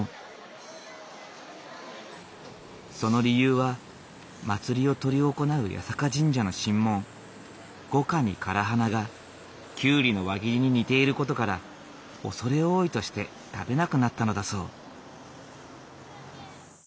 その理由は祭りを執り行う八坂神社の神紋五瓜に唐花がキュウリの輪切りに似ている事から畏れ多いとして食べなくなったのだそう。